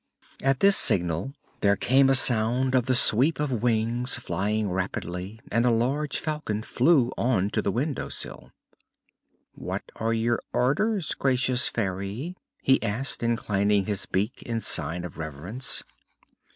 At this signal there came a sound of the sweep of wings flying rapidly and a large Falcon flew on to the window sill. "What are your orders, gracious Fairy?" he asked, inclining his beak in sign of reverence.